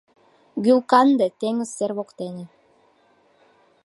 Гӱл-канде теҥыз сер воктене;